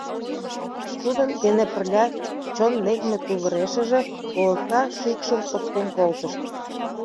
Тудын дене пырляк чон лекме тувырешыже колотка шӱкшым оптен колтышт.